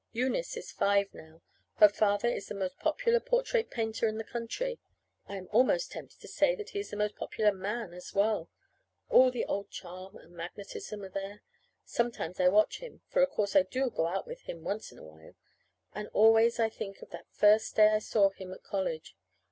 Eunice is five now. Her father is the most popular portrait painter in the country, I am almost tempted to say that he is the most popular man, as well. All the old charm and magnetism are there. Sometimes I watch him (for, of course, I do go out with him once in a while), and always I think of that first day I saw him at college.